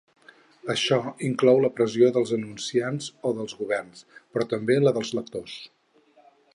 Això inclou la pressió dels anunciants o dels governs, però també la dels lectors.